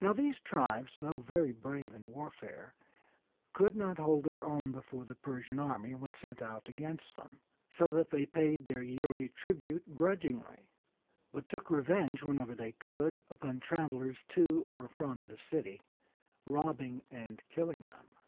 Now these tribes, though very brave in warfare, could not hold their own before the Persian army when sent out against them, so that they paid their yearly tribute grudgingly, but took revenge, whenever they could, upon travellers to or from the city, robbing and killing them.